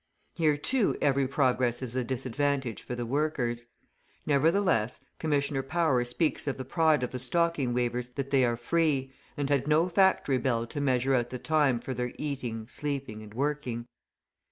Here, too, every progress is a disadvantage for the workers. Nevertheless, Commissioner Power speaks of the pride of the stocking weavers that they are free, and had no factory bell to measure out the time for their eating, sleeping, and working.